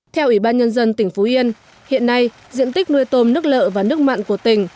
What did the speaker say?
theo ủy ban nhân dân tỉnh phú yên hiện nay diện tích nuôi tôm nước lợ và nước mặn của tỉnh